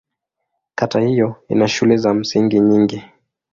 Kata hiyo ina shule za msingi nyingi.